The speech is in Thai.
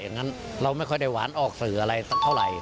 อย่างนั้นเราไม่ค่อยได้หวานออกสื่ออะไรสักเท่าไหร่